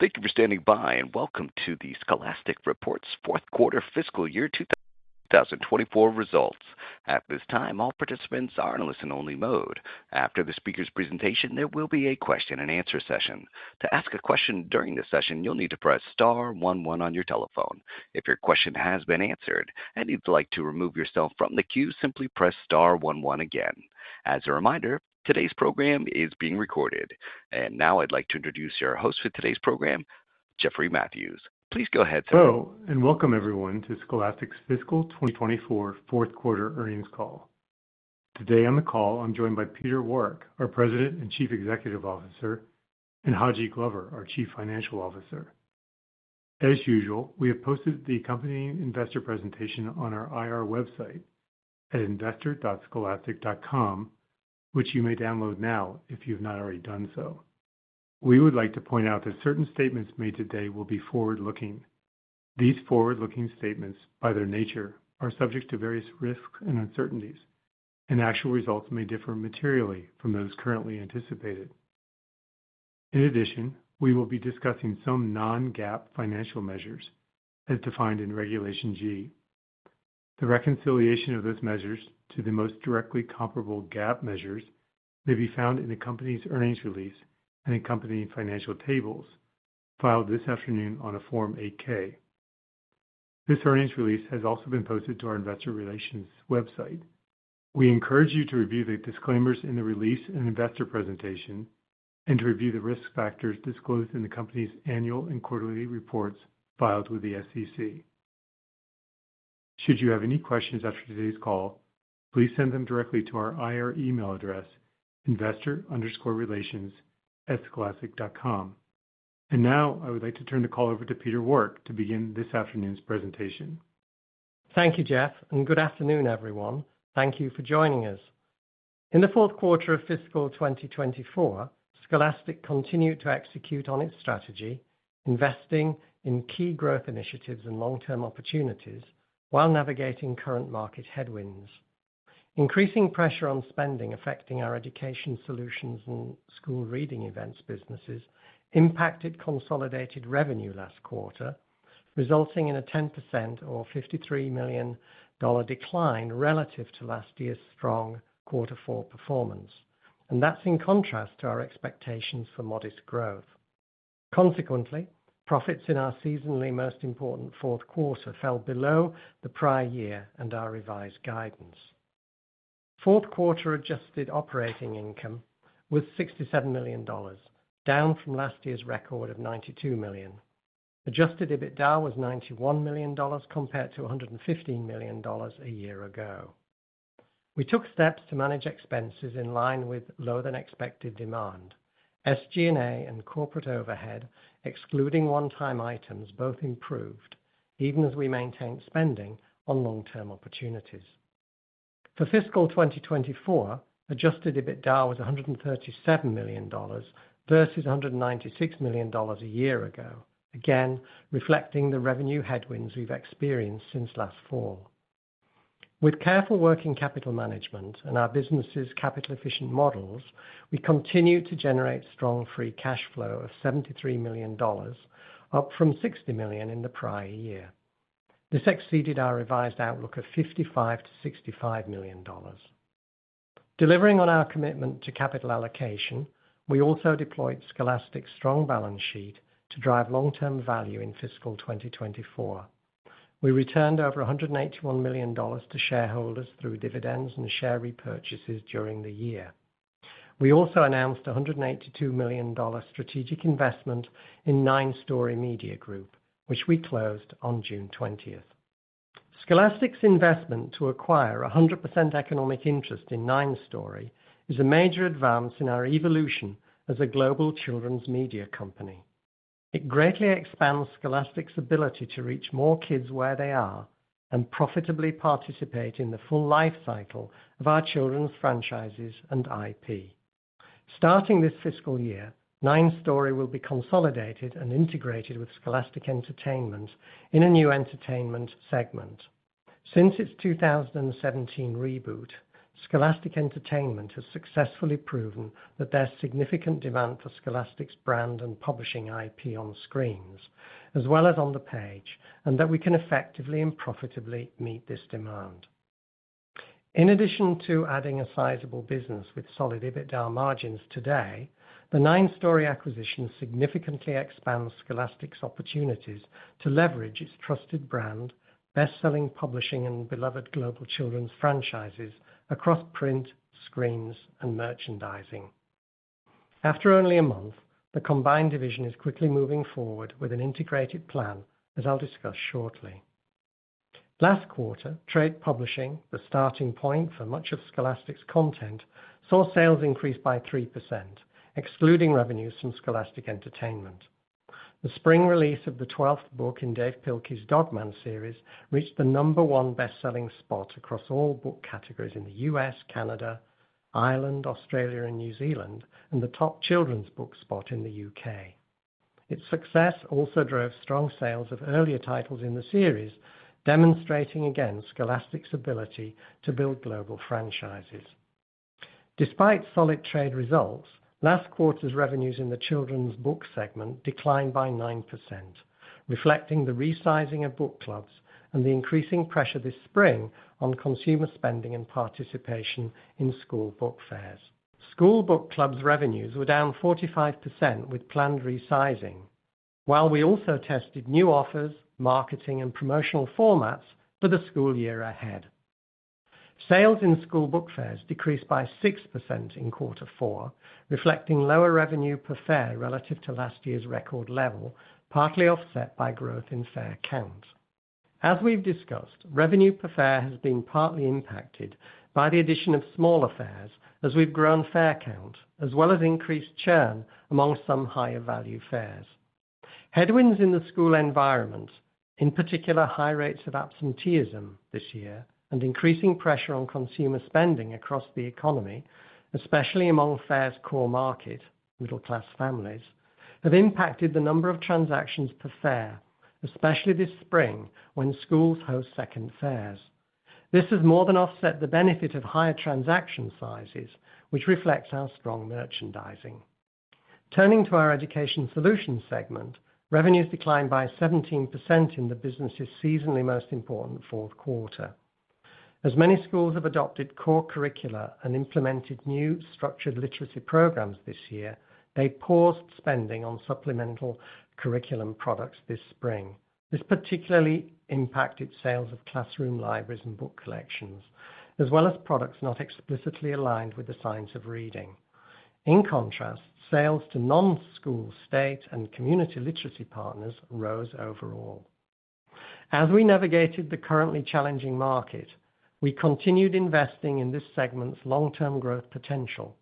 Thank you for standing by, and welcome to Scholastic's fourth quarter fiscal year 2024 results. At this time, all participants are in a listen-only mode. After the speaker's presentation, there will be a question-and-answer session. To ask a question during the session, you'll need to press star one one on your telephone. If your question has been answered and you'd like to remove yourself from the queue, simply press star one one again. As a reminder, today's program is being recorded. And now I'd like to introduce our host for today's program, Jeffrey Mathews. Please go ahead, sir. Hello, and welcome everyone to Scholastic's Fiscal 2024 fourth quarter earnings call. Today on the call, I'm joined by Peter Warwick, our President and Chief Executive Officer, and Haji Glover, our Chief Financial Officer. As usual, we have posted the accompanying investor presentation on our IR website at investor.scholastic.com, which you may download now if you've not already done so. We would like to point out that certain statements made today will be forward-looking. These forward-looking statements, by their nature, are subject to various risks and uncertainties, and actual results may differ materially from those currently anticipated. In addition, we will be discussing some non-GAAP financial measures as defined in Regulation G. The reconciliation of those measures to the most directly comparable GAAP measures may be found in the company's earnings release and accompanying financial tables filed this afternoon on a Form 8-K. This earnings release has also been posted to our investor relations website. We encourage you to review the disclaimers in the release and investor presentation, and to review the risk factors disclosed in the company's annual and quarterly reports filed with the SEC. Should you have any questions after today's call, please send them directly to our IR email address, investor_relations@scholastic.com. And now, I would like to turn the call over to Peter Warwick to begin this afternoon's presentation. Thank you, Jeff, and good afternoon, everyone. Thank you for joining us. In the fourth quarter of fiscal 2024, Scholastic continued to execute on its strategy, investing in key growth initiatives and long-term opportunities while navigating current market headwinds. Increasing pressure on spending affecting our education solutions and school reading events businesses impacted consolidated revenue last quarter, resulting in a 10% or $53 million decline relative to last year's strong quarter four performance. That's in contrast to our expectations for modest growth. Consequently, profits in our seasonally most important fourth quarter fell below the prior year and our revised guidance. Fourth quarter adjusted operating income was $67 million, down from last year's record of $92 million. Adjusted EBITDA was $91 million, compared to $115 million a year ago. We took steps to manage expenses in line with lower-than-expected demand. SG&A and corporate overhead, excluding one-time items, both improved, even as we maintained spending on long-term opportunities. For fiscal 2024, adjusted EBITDA was $137 million, versus $196 million a year ago, again, reflecting the revenue headwinds we've experienced since last fall. With careful working capital management and our business' capital-efficient models, we continued to generate strong free cash flow of $73 million, up from $60 million in the prior year. This exceeded our revised outlook of $55-$65 million. Delivering on our commitment to capital allocation, we also deployed Scholastic's strong balance sheet to drive long-term value in fiscal 2024. We returned over $181 million to shareholders through dividends and share repurchases during the year. We also announced a $182 million strategic investment in 9 Story Media Group, which we closed on June 20. Scholastic's investment to acquire 100% economic interest in 9 Story is a major advance in our evolution as a global children's media company. It greatly expands Scholastic's ability to reach more kids where they are and profitably participate in the full life cycle of our children's franchises and IP. Starting this fiscal year, 9 Story will be consolidated and integrated with Scholastic Entertainment in a new Entertainment Segment. Since its 2017 reboot, Scholastic Entertainment has successfully proven that there's significant demand for Scholastic's brand and publishing IP on screens, as well as on the page, and that we can effectively and profitably meet this demand. In addition to adding a sizable business with solid EBITDA margins today, the 9 Story acquisition significantly expands Scholastic's opportunities to leverage its trusted brand, best-selling publishing, and beloved global children's franchises across print, screens, and merchandising. After only a month, the combined division is quickly moving forward with an integrated plan, as I'll discuss shortly. Last quarter, trade publishing, the starting point for much of Scholastic's content, saw sales increase by 3%, excluding revenues from Scholastic Entertainment. The spring release of the twelfth book in Dav Pilkey's Dog Man series reached the number one best-selling spot across all book categories in the U.S., Canada, Ireland, Australia and New Zealand, and the top children's book spot in the U.K. Its success also drove strong sales of earlier titles in the series, demonstrating again Scholastic's ability to build global franchises.... Despite solid trade results, last quarter's revenues in the children's book segment declined by 9%, reflecting the resizing of book clubs and the increasing pressure this spring on consumer spending and participation in school book fairs. School book clubs revenues were down 45% with planned resizing, while we also tested new offers, marketing, and promotional formats for the school year ahead. Sales in school book fairs decreased by 6% in quarter four, reflecting lower revenue per fair relative to last year's record level, partly offset by growth in fair count. As we've discussed, revenue per fair has been partly impacted by the addition of smaller fairs as we've grown fair count, as well as increased churn among some higher value fairs. Headwinds in the school environment, in particular, high rates of absenteeism this year, and increasing pressure on consumer spending across the economy, especially among fairs' core market, middle-class families, have impacted the number of transactions per fair, especially this spring, when schools host second fairs. This has more than offset the benefit of higher transaction sizes, which reflects our strong merchandising. Turning to our education solutions segment, revenues declined by 17% in the business's seasonally most important fourth quarter. As many schools have adopted core curricula and implemented new structured literacy programs this year, they paused spending on supplemental curriculum products this spring. This particularly impacted sales of classroom libraries and book collections, as well as products not explicitly aligned with the science of reading. In contrast, sales to non-school, state, and community literacy partners rose overall. As we navigated the currently challenging market, we continued investing in this segment's long-term growth potential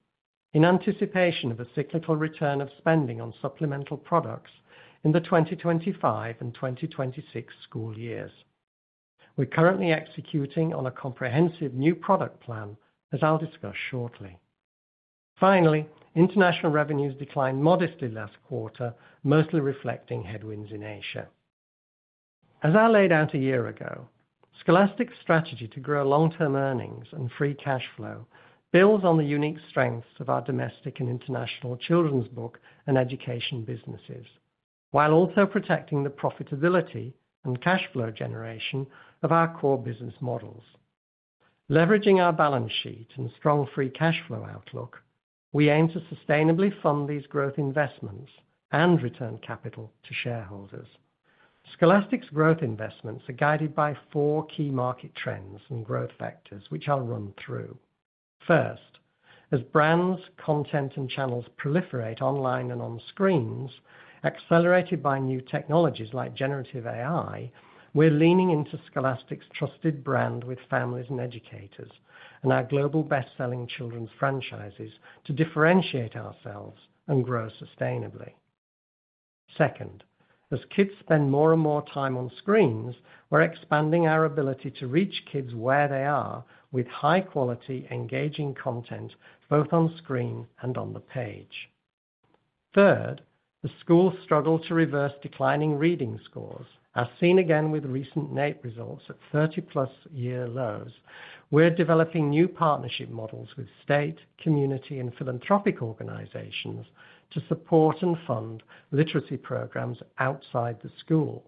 in anticipation of a cyclical return of spending on supplemental products in the 2025 and 2026 school years. We're currently executing on a comprehensive new product plan, as I'll discuss shortly. Finally, international revenues declined modestly last quarter, mostly reflecting headwinds in Asia. As I laid out a year ago, Scholastic's strategy to grow long-term earnings and free cash flow builds on the unique strengths of our domestic and international children's book and education businesses, while also protecting the profitability and cash flow generation of our core business models. Leveraging our balance sheet and strong free cash flow outlook, we aim to sustainably fund these growth investments and return capital to shareholders. Scholastic's growth investments are guided by four key market trends and growth vectors, which I'll run through. First, as brands, content, and channels proliferate online and on screens, accelerated by new technologies like generative AI, we're leaning into Scholastic's trusted brand with families and educators, and our global best-selling children's franchises to differentiate ourselves and grow sustainably. Second, as kids spend more and more time on screens, we're expanding our ability to reach kids where they are with high-quality, engaging content, both on screen and on the page. Third, the schools struggle to reverse declining reading scores, as seen again with recent NAEP results at 30+ year lows. We're developing new partnership models with state, community, and philanthropic organizations to support and fund literacy programs outside the school.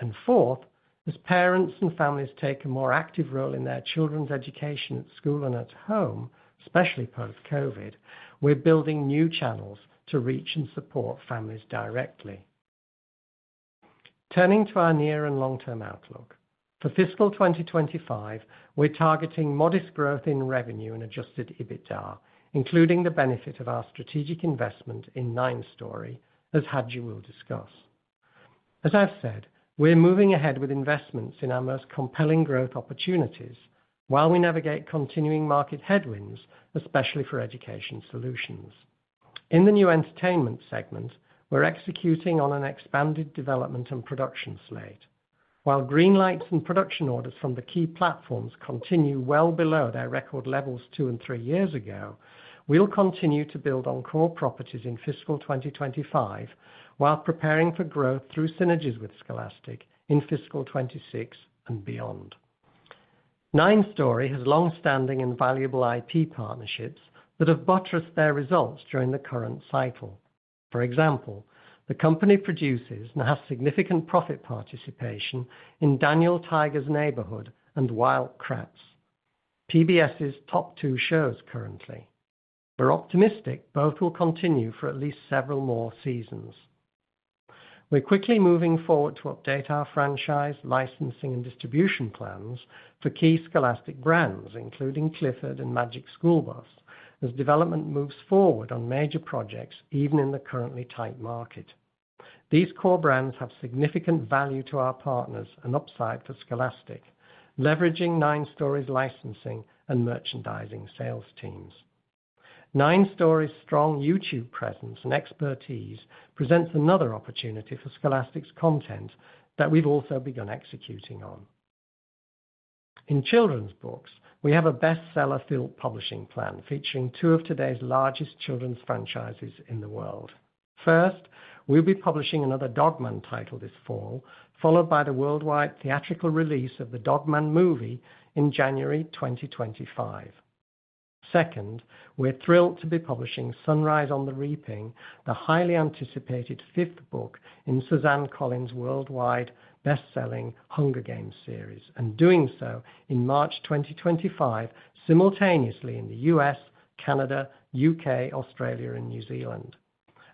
And fourth, as parents and families take a more active role in their children's education at school and at home, especially post-COVID, we're building new channels to reach and support families directly. Turning to our near and long-term outlook. For fiscal 2025, we're targeting modest growth in revenue and Adjusted EBITDA, including the benefit of our strategic investment in 9 Story, as Haji will discuss. As I've said, we're moving ahead with investments in our most compelling growth opportunities while we navigate continuing market headwinds, especially for education solutions. In the new entertainment segment, we're executing on an expanded development and production slate. While green lights and production orders from the key platforms continue well below their record levels 2 and 3 years ago, we'll continue to build on core properties in fiscal 2025, while preparing for growth through synergies with Scholastic in fiscal 2026 and beyond. 9 Story has long-standing and valuable IP partnerships that have buttressed their results during the current cycle. For example, the company produces and has significant profit participation in Daniel Tiger's Neighborhood and Wild Kratts, PBS's top two shows currently. We're optimistic both will continue for at least several more seasons. We're quickly moving forward to update our franchise, licensing, and distribution plans for key Scholastic brands, including Clifford and Magic School Bus, as development moves forward on major projects, even in the currently tight market. These core brands have significant value to our partners and upside to Scholastic, leveraging 9 Story's licensing and merchandising sales teams. 9 Story's strong YouTube presence and expertise presents another opportunity for Scholastic's content that we've also begun executing on. In children's books, we have a bestseller-filled publishing plan, featuring two of today's largest children's franchises in the world.... First, we'll be publishing another Dog Man title this fall, followed by the worldwide theatrical release of the Dog Man movie in January 2025. Second, we're thrilled to be publishing Sunrise on the Reaping, the highly anticipated fifth book in Suzanne Collins' worldwide best-selling Hunger Games series, and doing so in March 2025, simultaneously in the U.S., Canada, U.K., Australia, and New Zealand.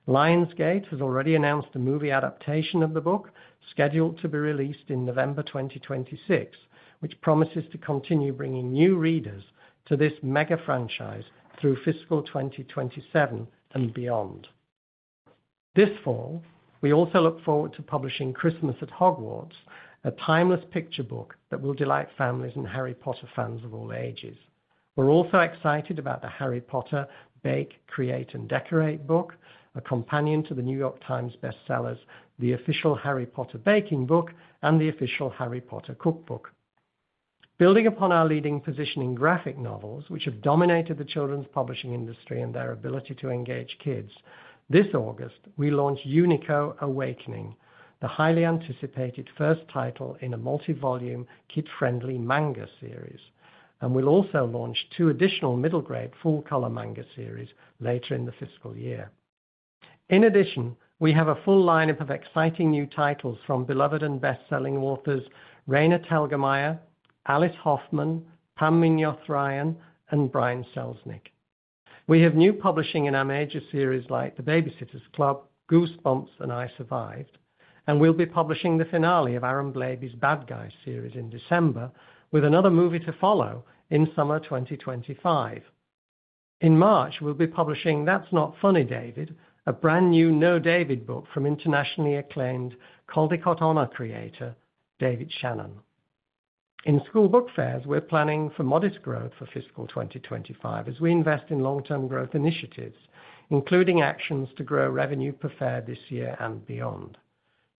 Lionsgate has already announced a movie adaptation of the book, scheduled to be released in November 2026, which promises to continue bringing new readers to this mega franchise through fiscal 2027 and beyond. This fall, we also look forward to publishing Christmas at Hogwarts, a timeless picture book that will delight families and Harry Potter fans of all ages. We're also excited about the Harry Potter: Bake, Create, and Decorate book, a companion to the New York Times bestsellers, The Official Harry Potter Baking Book and The Official Harry Potter Cookbook. Building upon our leading position in graphic novels, which have dominated the children's publishing industry and their ability to engage kids, this August, we launch Unico: Awakening, the highly anticipated first title in a multi-volume, kid-friendly manga series, and we'll also launch two additional middle-grade, full-color manga series later in the fiscal year. In addition, we have a full lineup of exciting new titles from beloved and best-selling authors Raina Telgemeier, Alice Hoffman, Pam Muñoz Ryan, and Brian Selznick. We have new publishing in our major series, like The Baby-Sitters Club, Goosebumps, and I Survived, and we'll be publishing the finale of Aaron Blabey's Bad Guys series in December, with another movie to follow in summer 2025. In March, we'll be publishing That's Not Funny, David!, a brand-new No, David! book from internationally acclaimed Caldecott Honor creator, David Shannon. In school book fairs, we're planning for modest growth for fiscal 2025 as we invest in long-term growth initiatives, including actions to grow revenue per fair this year and beyond.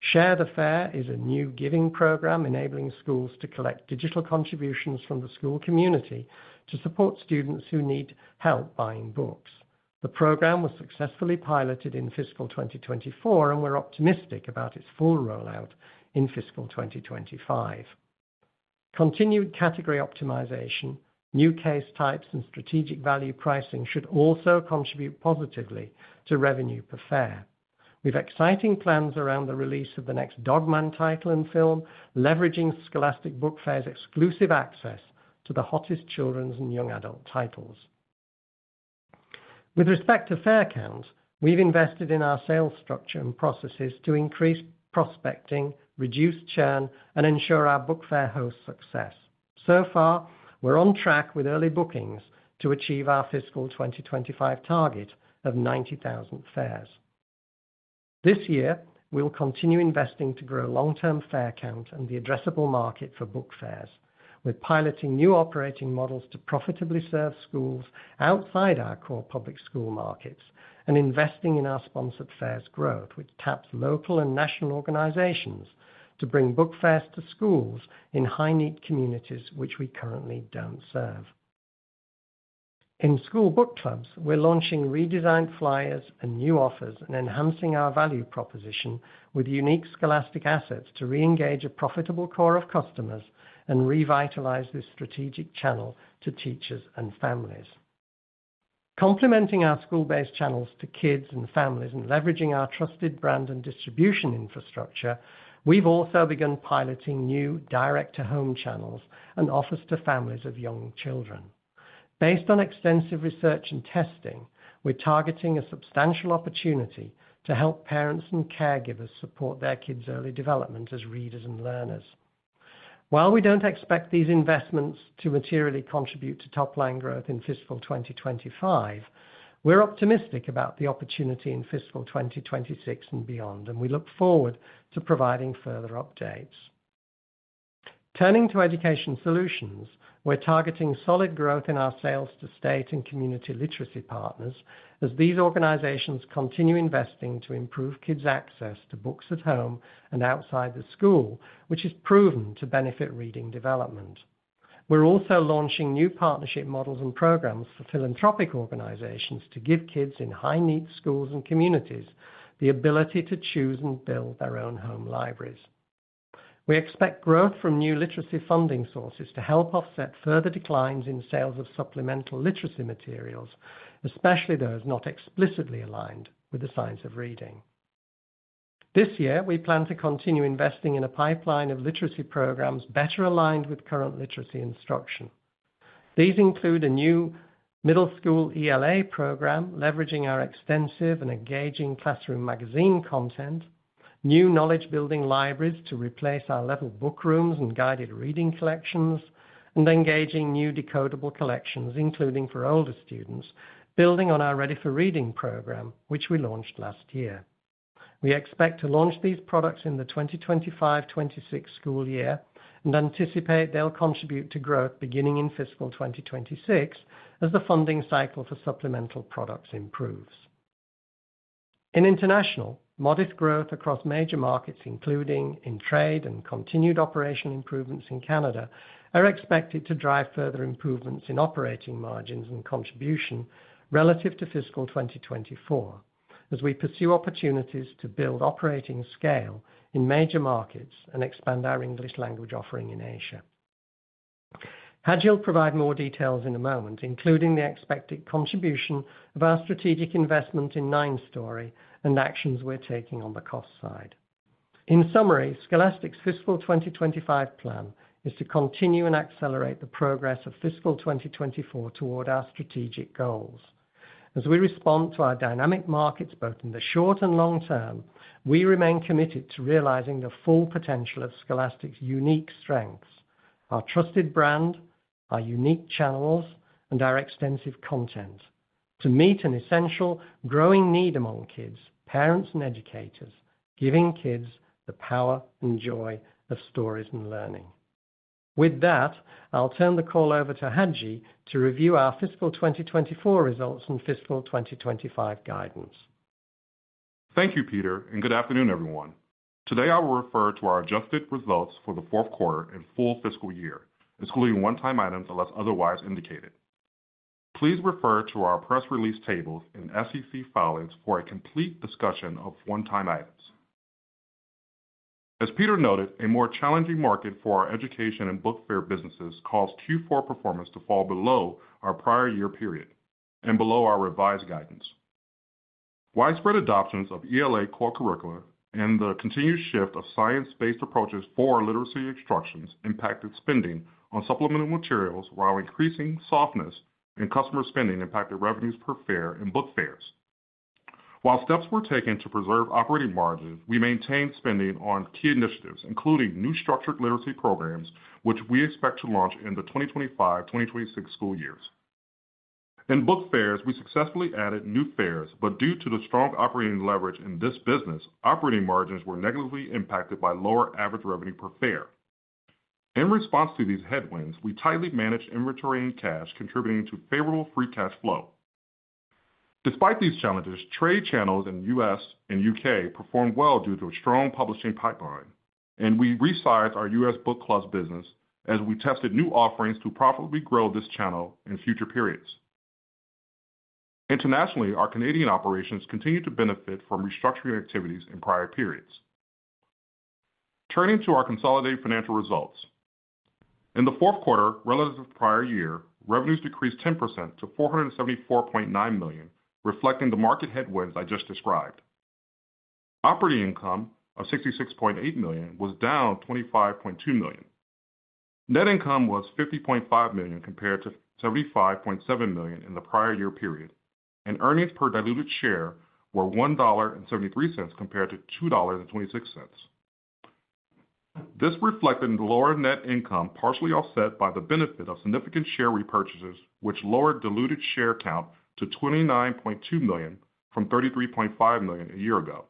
Share the Fair is a new giving program, enabling schools to collect digital contributions from the school community to support students who need help buying books. The program was successfully piloted in fiscal 2024, and we're optimistic about its full rollout in fiscal 2025. Continued category optimization, new case types, and strategic value pricing should also contribute positively to revenue per fair. We've exciting plans around the release of the next Dog Man title and film, leveraging Scholastic Book Fair's exclusive access to the hottest children's and young adult titles. With respect to fair count, we've invested in our sales structure and processes to increase prospecting, reduce churn, and ensure our book fair host success. So far, we're on track with early bookings to achieve our fiscal 2025 target of 90,000 fairs. This year, we'll continue investing to grow long-term fair count and the addressable market for book fairs. We're piloting new operating models to profitably serve schools outside our core public school markets and investing in our sponsored fairs growth, which taps local and national organizations to bring book fairs to schools in high-need communities which we currently don't serve. In school book clubs, we're launching redesigned flyers and new offers and enhancing our value proposition with unique Scholastic assets to reengage a profitable core of customers and revitalize this strategic channel to teachers and families. Complementing our school-based channels to kids and families and leveraging our trusted brand and distribution infrastructure, we've also begun piloting new direct-to-home channels and offers to families of young children. Based on extensive research and testing, we're targeting a substantial opportunity to help parents and caregivers support their kids' early development as readers and learners. While we don't expect these investments to materially contribute to top-line growth in fiscal 2025, we're optimistic about the opportunity in fiscal 2026 and beyond, and we look forward to providing further updates. Turning to education solutions, we're targeting solid growth in our sales to state and community literacy partners as these organizations continue investing to improve kids' access to books at home and outside the school, which is proven to benefit reading development. We're also launching new partnership models and programs for philanthropic organizations to give kids in high-need schools and communities the ability to choose and build their own home libraries. We expect growth from new literacy funding sources to help offset further declines in sales of supplemental literacy materials, especially those not explicitly aligned with the science of reading. This year, we plan to continue investing in a pipeline of literacy programs better aligned with current literacy instruction. These include a new middle school ELA program, leveraging our extensive and engaging classroom magazine content, new knowledge-building libraries to replace our level book rooms and guided reading collections, and engaging new decodable collections, including for older students, building on our Ready for Reading program, which we launched last year. We expect to launch these products in the 2025-2026 school year and anticipate they'll contribute to growth beginning in fiscal 2026, as the funding cycle for supplemental products improves. In International, modest growth across major markets, including in trade and continued operational improvements in Canada, are expected to drive further improvements in operating margins and contribution relative to fiscal 2024, as we pursue opportunities to build operating scale in major markets and expand our English language offering in Asia. Haji will provide more details in a moment, including the expected contribution of our strategic investment in 9 Story and actions we're taking on the cost side. In summary, Scholastic's fiscal 2025 plan is to continue and accelerate the progress of fiscal 2024 toward our strategic goals. As we respond to our dynamic markets, both in the short and long term, we remain committed to realizing the full potential of Scholastic's unique strengths, our trusted brand, our unique channels, and our extensive content to meet an essential growing need among kids, parents, and educators, giving kids the power and joy of stories and learning. With that, I'll turn the call over to Haji to review our fiscal 2024 results and fiscal 2025 guidance. Thank you, Peter, and good afternoon, everyone. Today, I will refer to our adjusted results for the fourth quarter and full fiscal year, excluding one-time items, unless otherwise indicated. Please refer to our press release tables and SEC filings for a complete discussion of one-time items. As Peter noted, a more challenging market for our education and book fair businesses caused Q4 performance to fall below our prior year period and below our revised guidance. Widespread adoptions of ELA core curricula and the continued shift of science-based approaches for our literacy instructions impacted spending on supplemental materials, while increasing softness and customer spending impacted revenues per fair in book fairs. While steps were taken to preserve operating margins, we maintained spending on key initiatives, including new structured literacy programs, which we expect to launch in the 2025-2026 school years. In book fairs, we successfully added new fairs, but due to the strong operating leverage in this business, operating margins were negatively impacted by lower average revenue per fair. In response to these headwinds, we tightly managed inventory and cash, contributing to favorable free cash flow. Despite these challenges, trade channels in the U.S. and U.K. performed well due to a strong publishing pipeline, and we resized our U.S. book clubs business as we tested new offerings to profitably grow this channel in future periods. Internationally, our Canadian operations continued to benefit from restructuring activities in prior periods. Turning to our consolidated financial results. In the fourth quarter, relative to the prior year, revenues decreased 10% to $474.9 million, reflecting the market headwinds I just described. Operating income of $66.8 million was down $25.2 million. Net income was $50.5 million compared to $75.7 million in the prior year period, and earnings per diluted share were $1.73 compared to $2.26. This reflected in the lower net income, partially offset by the benefit of significant share repurchases, which lowered diluted share count to 29.2 million from 33.5 million a year ago.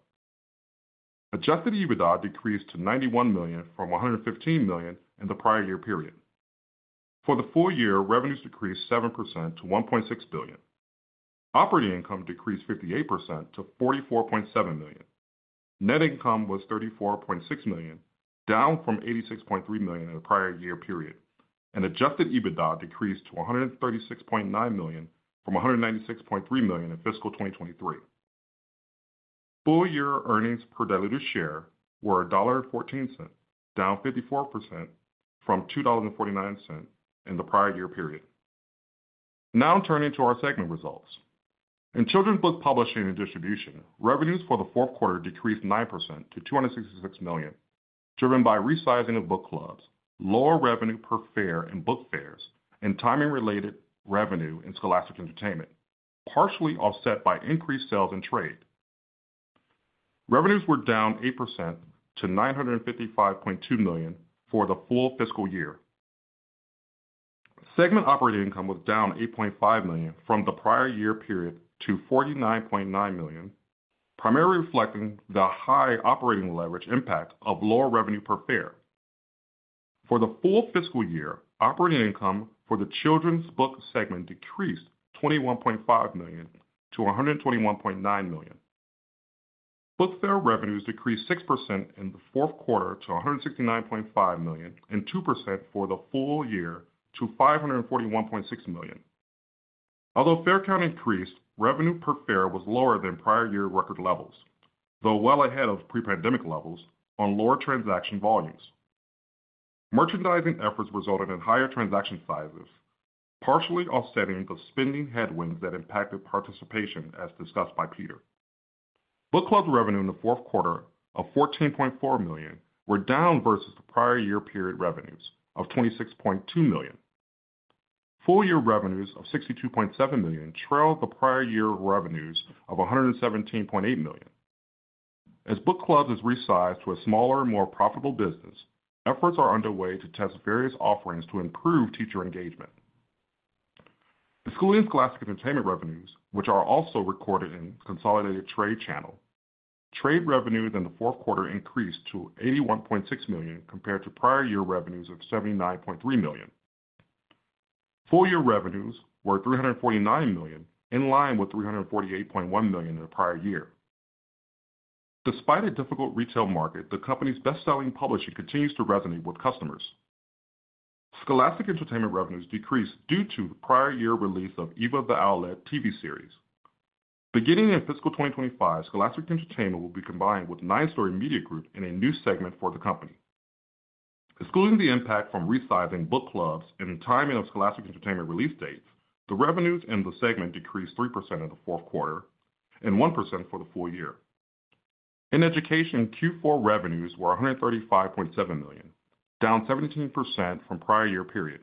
Adjusted EBITDA decreased to $91 million from $115 million in the prior year period. For the full year, revenues decreased 7% to $1.6 billion. Operating income decreased 58% to $44.7 million. Net income was $34.6 million, down from $86.3 million in the prior year period, and adjusted EBITDA decreased to $136.9 million from $196.3 million in fiscal 2023. Full-year earnings per diluted share were $1.14, down 54% from $2.49 in the prior year period. Now, turning to our segment results. In Children's Book Publishing and Distribution, revenues for the fourth quarter decreased 9% to $266 million, driven by resizing of Book Clubs, lower revenue per fair in Book Fairs, and timing-related revenue in Scholastic Entertainment, partially offset by increased sales and trade. Revenues were down 8% to $955.2 million for the full fiscal year. Segment operating income was down $8.5 million from the prior year period to $49.9 million, primarily reflecting the high operating leverage impact of lower revenue per fair. For the full fiscal year, operating income for the children's book segment decreased $21.5 million to $121.9 million. Book fair revenues decreased 6% in the fourth quarter to $169.5 million and 2% for the full year to $541.6 million. Although fair count increased, revenue per fair was lower than prior year record levels, though well ahead of pre-pandemic levels on lower transaction volumes. Merchandising efforts resulted in higher transaction sizes, partially offsetting the spending headwinds that impacted participation, as discussed by Peter. Book Club revenue in the fourth quarter of $14.4 million were down versus the prior year period revenues of $26.2 million. Full-year revenues of $62.7 million trailed the prior year revenues of $117.8 million. As Book Clubs is resized to a smaller and more profitable business, efforts are underway to test various offerings to improve teacher engagement. Excluding Scholastic Entertainment revenues, which are also recorded in consolidated trade channel, trade revenues in the fourth quarter increased to $81.6 million, compared to prior year revenues of $79.3 million. Full-year revenues were $349 million, in line with $348.1 million in the prior year. Despite a difficult retail market, the company's best-selling publishing continues to resonate with customers. Scholastic Entertainment revenues decreased due to the prior year release of Eva the Owlet TV series. Beginning in fiscal 2025, Scholastic Entertainment will be combined with 9 Story Media Group in a new segment for the company. Excluding the impact from resizing book clubs and the timing of Scholastic Entertainment release date, the revenues in the segment decreased 3% in the fourth quarter, and 1% for the full year. In education, Q4 revenues were $135.7 million, down 17% from prior year period,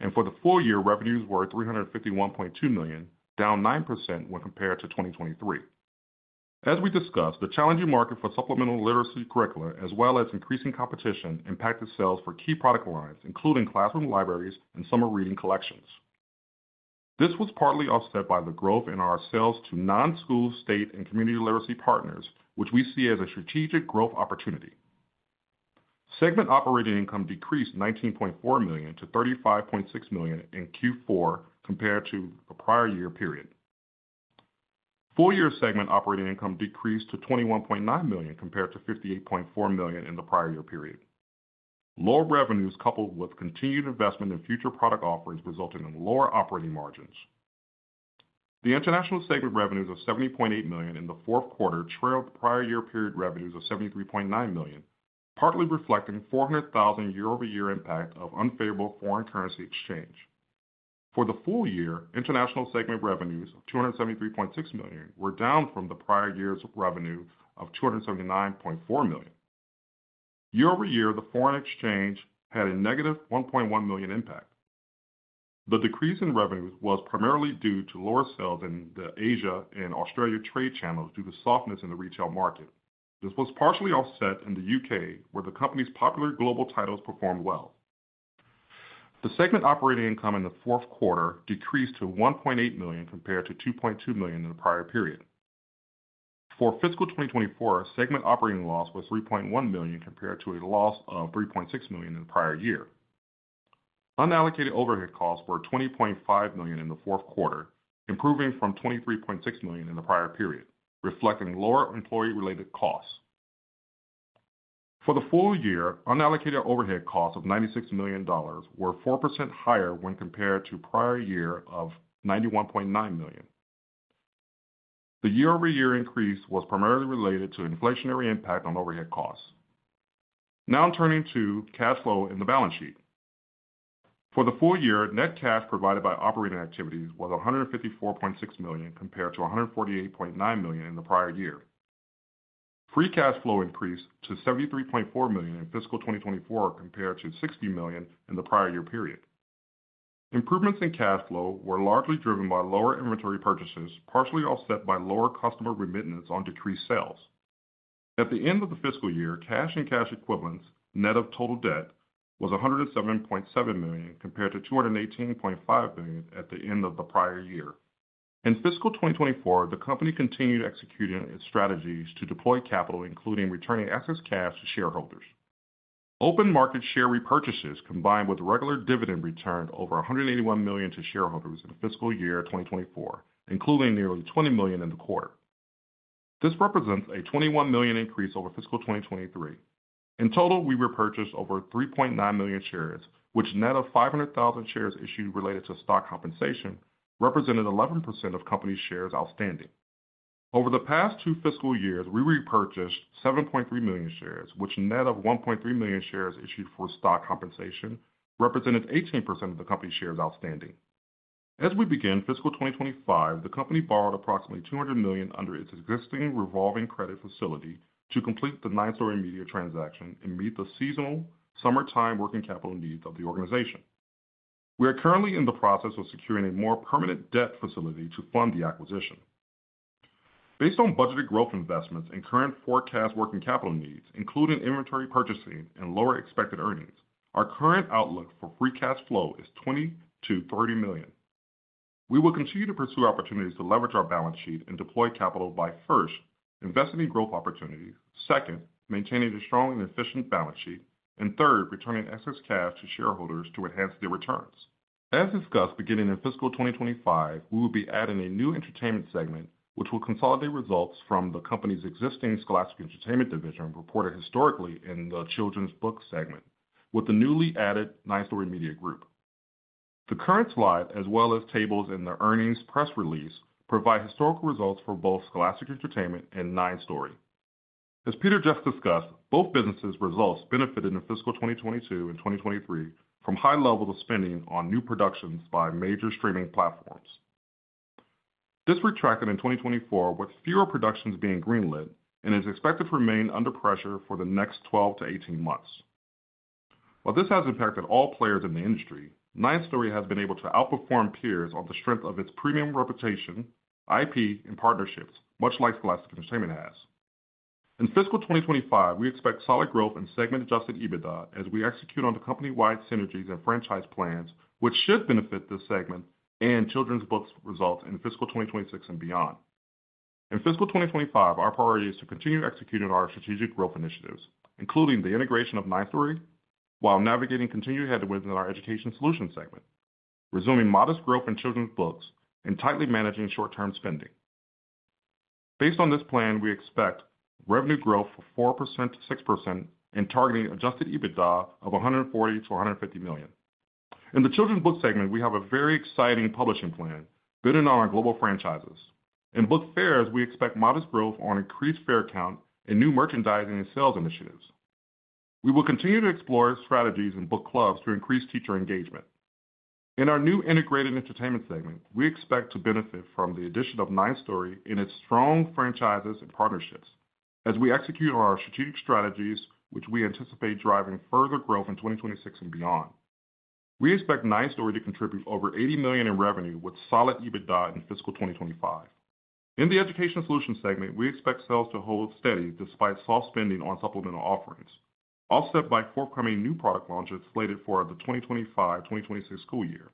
and for the full year, revenues were $351.2 million, down 9% when compared to 2023. As we discussed, the challenging market for supplemental literacy curricula, as well as increasing competition, impacted sales for key product lines, including classroom libraries and summer reading collections. This was partly offset by the growth in our sales to non-school, state, and community literacy partners, which we see as a strategic growth opportunity. Segment operating income decreased $19.4 million to $35.6 million in Q4 compared to the prior year period. Full year segment operating income decreased to $21.9 million, compared to $58.4 million in the prior year period. Lower revenues, coupled with continued investment in future product offerings, resulting in lower operating margins. The international segment revenues of $70.8 million in the fourth quarter trailed the prior year period revenues of $73.9 million, partly reflecting $400,000 year-over-year impact of unfavorable foreign currency exchange. For the full year, international segment revenues of $273.6 million were down from the prior year's revenue of $279.4 million. Year-over-year, the foreign exchange had a negative $1.1 million impact. The decrease in revenues was primarily due to lower sales in the Asia and Australia trade channels due to softness in the retail market. This was partially offset in the UK, where the company's popular global titles performed well. The segment operating income in the fourth quarter decreased to $1.8 million, compared to $2.2 million in the prior period. For fiscal 2024, segment operating loss was $3.1 million, compared to a loss of $3.6 million in the prior year. Unallocated overhead costs were $20.5 million in the fourth quarter, improving from $23.6 million in the prior period, reflecting lower employee-related costs. For the full year, unallocated overhead costs of $96 million were 4% higher when compared to prior year of $91.9 million. The year-over-year increase was primarily related to inflationary impact on overhead costs. Now turning to cash flow in the balance sheet. For the full year, net cash provided by operating activities was $154.6 million, compared to $148.9 million in the prior year. Free cash flow increased to $73.4 million in fiscal 2024, compared to $60 million in the prior year period. Improvements in cash flow were largely driven by lower inventory purchases, partially offset by lower customer remittance on decreased sales. At the end of the fiscal year, cash and cash equivalents, net of total debt, was $107.7 million, compared to $218.5 million at the end of the prior year. In fiscal 2024, the company continued executing its strategies to deploy capital, including returning excess cash to shareholders. Open market share repurchases, combined with regular dividend, returned over $181 million to shareholders in the fiscal year 2024, including nearly $20 million in the quarter. This represents a $21 million increase over fiscal 2023. In total, we repurchased over 3.9 million shares, which net of 500,000 shares issued related to stock compensation, represented 11% of company's shares outstanding. Over the past two fiscal years, we repurchased 7.3 million shares, which net of 1.3 million shares issued for stock compensation, represented 18% of the company's shares outstanding. As we begin fiscal 2025, the company borrowed approximately $200 million under its existing revolving credit facility to complete the 9 Story Media transaction and meet the seasonal summertime working capital needs of the organization. We are currently in the process of securing a more permanent debt facility to fund the acquisition. Based on budgeted growth investments and current forecast working capital needs, including inventory purchasing and lower expected earnings, our current outlook for free cash flow is $20 million-$30 million. We will continue to pursue opportunities to leverage our balance sheet and deploy capital by, first, investing in growth opportunities, second, maintaining a strong and efficient balance sheet, and third, returning excess cash to shareholders to enhance their returns. As discussed, beginning in fiscal 2025, we will be adding a new entertainment segment, which will consolidate results from the company's existing Scholastic Entertainment division, reported historically in the children's book segment with the newly added 9 Story Media Group. The current slide, as well as tables in the earnings press release, provide historical results for both Scholastic Entertainment and 9 Story. As Peter just discussed, both businesses' results benefited in fiscal 2022 and 2023 from high levels of spending on new productions by major streaming platforms. This retracted in 2024, with fewer productions being greenlit and is expected to remain under pressure for the next 12-18 months. While this has impacted all players in the industry, 9 Story has been able to outperform peers on the strength of its premium reputation, IP, and partnerships, much like Scholastic Entertainment has. In fiscal 2025, we expect solid growth in segment Adjusted EBITDA as we execute on the company-wide synergies and franchise plans, which should benefit this segment and children's books results in fiscal 2026 and beyond. In fiscal 2025, our priority is to continue executing our strategic growth initiatives, including the integration of 9 Story, while navigating continued headwinds in our education solutions segment.... resuming modest growth in children's books and tightly managing short-term spending. Based on this plan, we expect revenue growth of 4%-6% and targeting Adjusted EBITDA of $140 million-$150 million. In the children's book segment, we have a very exciting publishing plan building on our global franchises. In book fairs, we expect modest growth on increased fair count and new merchandising and sales initiatives. We will continue to explore strategies in book clubs to increase teacher engagement. In our new integrated entertainment segment, we expect to benefit from the addition of 9 Story and its strong franchises and partnerships as we execute on our strategic strategies, which we anticipate driving further growth in 2026 and beyond. We expect 9 Story to contribute over $80 million in revenue, with solid EBITDA in fiscal 2025. In the education solution segment, we expect sales to hold steady despite soft spending on supplemental offerings, offset by forthcoming new product launches slated for the 2025/2026 school year.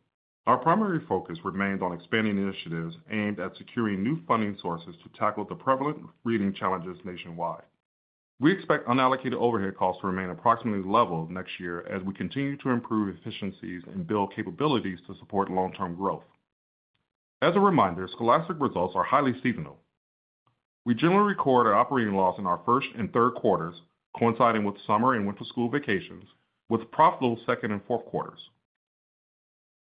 Our primary focus remains on expanding initiatives aimed at securing new funding sources to tackle the prevalent reading challenges nationwide. We expect unallocated overhead costs to remain approximately level next year as we continue to improve efficiencies and build capabilities to support long-term growth. As a reminder, Scholastic results are highly seasonal. We generally record our operating loss in our first and third quarters, coinciding with summer and winter school vacations, with profitable second and fourth quarters.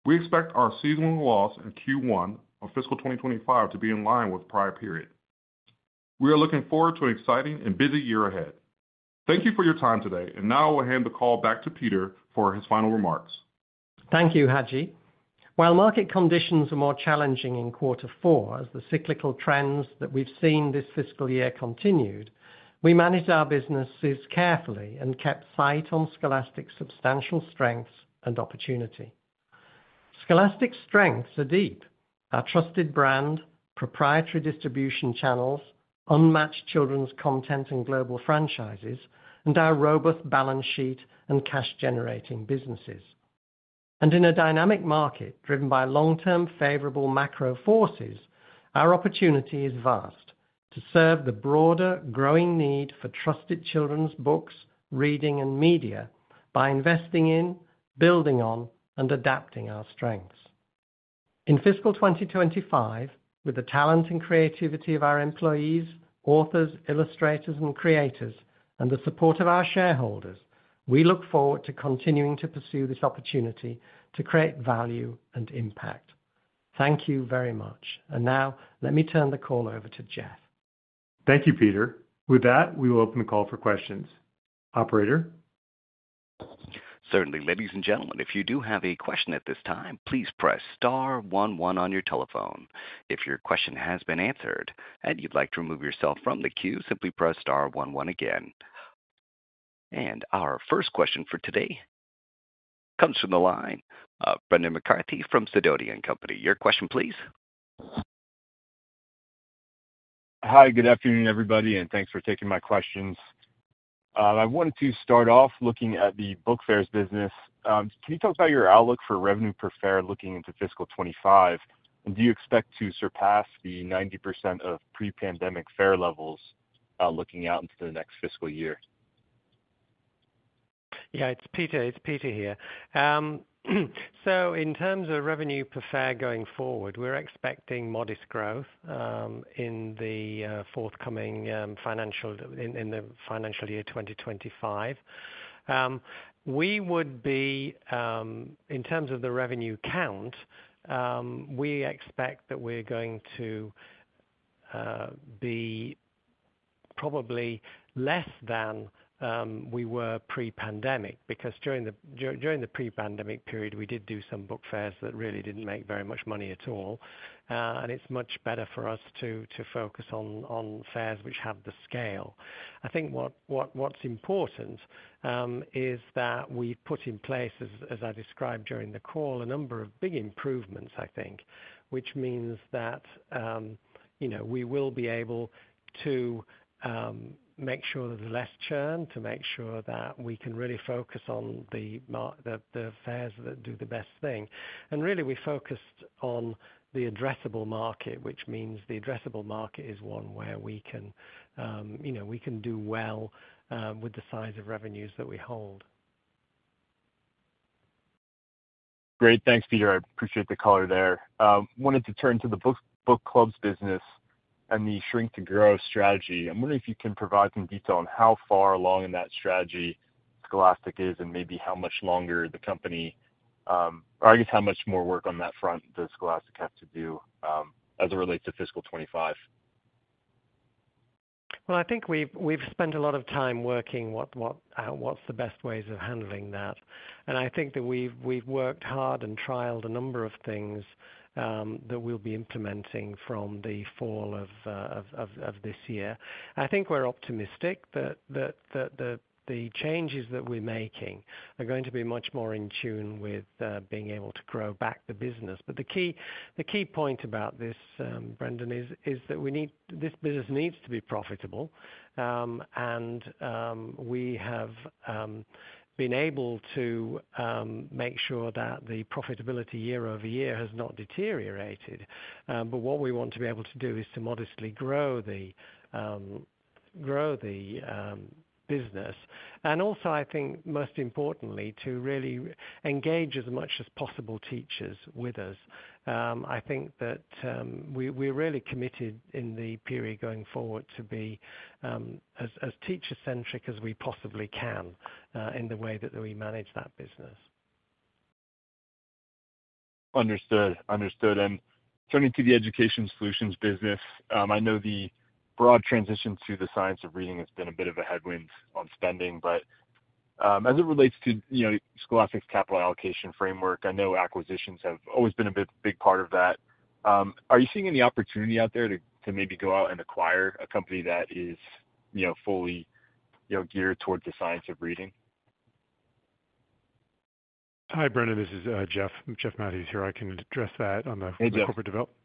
We expect our seasonal loss in Q1 of fiscal 2025 to be in line with the prior period. We are looking forward to an exciting and busy year ahead. Thank you for your time today, and now I will hand the call back to Peter for his final remarks. Thank you, Haji. While market conditions are more challenging in quarter four, as the cyclical trends that we've seen this fiscal year continued, we managed our businesses carefully and kept sight on Scholastic's substantial strengths and opportunity. Scholastic's strengths are deep. Our trusted brand, proprietary distribution channels, unmatched children's content and global franchises, and our robust balance sheet and cash-generating businesses. And in a dynamic market, driven by long-term favorable macro forces, our opportunity is vast to serve the broader, growing need for trusted children's books, reading, and media by investing in, building on, and adapting our strengths. In fiscal 2025, with the talent and creativity of our employees, authors, illustrators, and creators, and the support of our shareholders, we look forward to continuing to pursue this opportunity to create value and impact. Thank you very much. And now let me turn the call over to Jeff. Thank you, Peter. With that, we will open the call for questions. Operator? Certainly. Ladies and gentlemen, if you do have a question at this time, please press star one one on your telephone. If your question has been answered and you'd like to remove yourself from the queue, simply press star one one again. Our first question for today comes from the line of Brendan McCarthy from Sidoti & Company. Your question, please. Hi, good afternoon, everybody, and thanks for taking my questions. I wanted to start off looking at the book fairs business. Can you talk about your outlook for revenue per fair looking into fiscal 2025? And do you expect to surpass the 90% of pre-pandemic fair levels, looking out into the next fiscal year? Yeah, it's Peter, it's Peter here. So in terms of revenue per fair going forward, we're expecting modest growth, in the forthcoming financial—in the financial year 2025. We would be, in terms of the revenue count, we expect that we're going to be probably less than we were pre-pandemic, because during the pre-pandemic period, we did do some book fairs that really didn't make very much money at all. And it's much better for us to focus on fairs which have the scale. I think what's important is that we've put in place, as I described during the call, a number of big improvements, I think, which means that, you know, we will be able to make sure there's less churn, to make sure that we can really focus on the fairs that do the best thing. And really, we focused on the addressable market, which means the addressable market is one where we can, you know, we can do well with the size of revenues that we hold. Great. Thanks, Peter. I appreciate the color there. Wanted to turn to the book clubs business and the shrink to grow strategy. I'm wondering if you can provide some detail on how far along in that strategy Scholastic is, and maybe how much longer the company, or I guess, how much more work on that front does Scholastic have to do, as it relates to fiscal 2025? Well, I think we've spent a lot of time working what's the best ways of handling that. I think that we've worked hard and trialed a number of things that we'll be implementing from the fall of this year. I think we're optimistic that the changes that we're making are going to be much more in tune with being able to grow back the business. But the key point about this, Brendan, is that we need, this business needs to be profitable. And we have been able to make sure that the profitability year-over-year has not deteriorated. But what we want to be able to do is to modestly grow the business. And also, I think most importantly, to really engage as much as possible teachers with us. I think that we're really committed in the period going forward to be as teacher-centric as we possibly can in the way that we manage that business. Understood. Understood. And turning to the Education Solutions business, I know the broad transition to the Science of Reading has been a bit of a headwind on spending, but, as it relates to, you know, Scholastic's capital allocation framework, I know acquisitions have always been a big part of that. Are you seeing any opportunity out there to, to maybe go out and acquire a company that is, you know, fully, you know, geared towards the Science of Reading? Hi, Brendan, this is Jeff. Jeff Mathews here. I can address that on the- Hey, Jeff.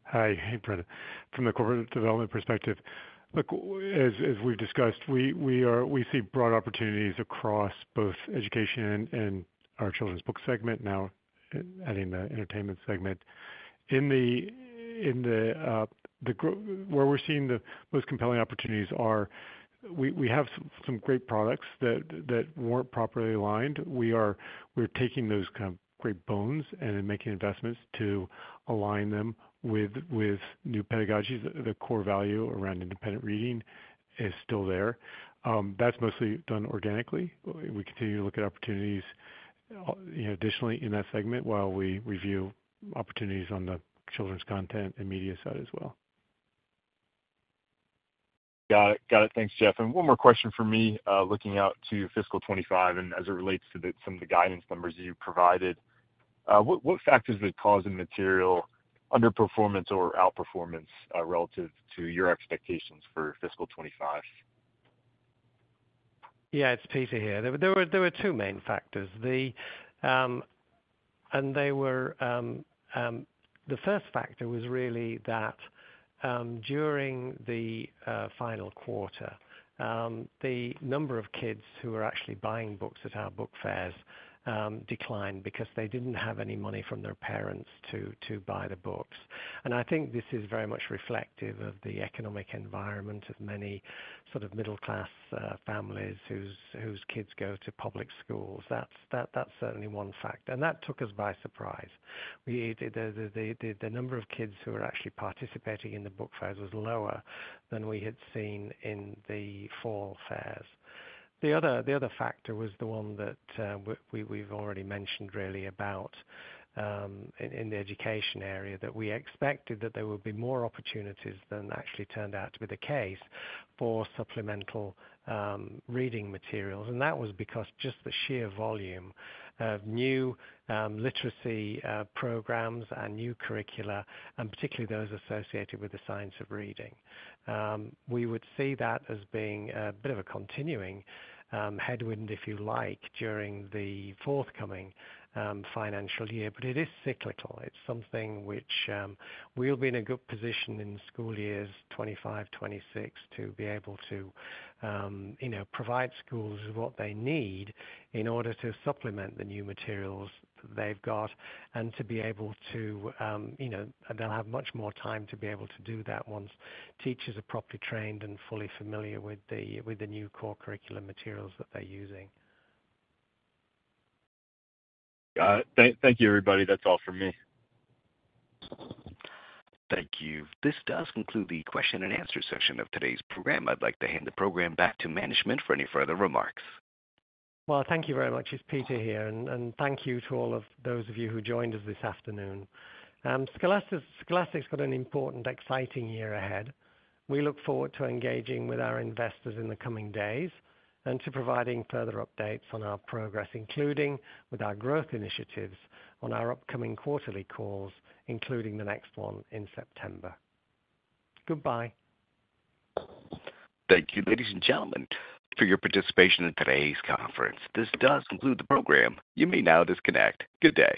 Hi. Hey, Brendan. From the corporate development perspective, look, as we've discussed, we see broad opportunities across both education and our children's book segment, now adding the entertainment segment. Where we're seeing the most compelling opportunities are we have some great products that weren't properly aligned. We're taking those kind of great bones and then making investments to align them with new pedagogies. The core value around independent reading is still there. That's mostly done organically. We continue to look at opportunities, you know, additionally in that segment while we review opportunities on the children's content and media side as well. Got it. Got it. Thanks, Jeff. One more question from me. Looking out to fiscal 25 and as it relates to some of the guidance numbers you provided, what factors would cause a material underperformance or outperformance relative to your expectations for fiscal 25? Yeah, it's Peter here. There were two main factors. And they were, the first factor was really that, during the final quarter, the number of kids who were actually buying books at our book fairs declined because they didn't have any money from their parents to buy the books. And I think this is very much reflective of the economic environment of many sort of middle class families whose kids go to public schools. That's certainly one factor, and that took us by surprise. The number of kids who were actually participating in the book fairs was lower than we had seen in the fall fairs. The other factor was the one that we've already mentioned, really, about in the education area, that we expected that there would be more opportunities than actually turned out to be the case for supplemental reading materials. That was because just the sheer volume of new literacy programs and new curricula, and particularly those associated with the Science of Reading. We would see that as being a bit of a continuing headwind, if you like, during the forthcoming financial year. But it is cyclical. It's something which we'll be in a good position in school years 2025, 2026, to be able to, you know, provide schools what they need in order to supplement the new materials they've got and to be able to, you know... They'll have much more time to be able to do that once teachers are properly trained and fully familiar with the new core curriculum materials that they're using. Got it. Thank, thank you, everybody. That's all from me. Thank you. This does conclude the question and answer session of today's program. I'd like to hand the program back to management for any further remarks. Well, thank you very much. It's Peter here, and thank you to all of those of you who joined us this afternoon. Scholastic's got an important, exciting year ahead. We look forward to engaging with our investors in the coming days, and to providing further updates on our progress, including with our growth initiatives on our upcoming quarterly calls, including the next one in September. Goodbye. Thank you, ladies and gentlemen, for your participation in today's conference. This does conclude the program. You may now disconnect. Good day.